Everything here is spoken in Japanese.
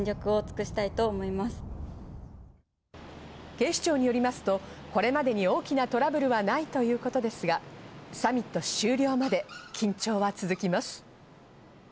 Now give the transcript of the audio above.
警視庁によりますと、これまでに大きなトラブルはないということですが、サミット終了まで緊張は続きます。